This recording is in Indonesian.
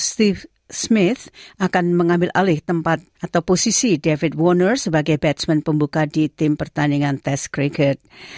steve smith akan mengambil alih tempat atau posisi david wanner sebagai batchment pembuka di tim pertandingan test cregor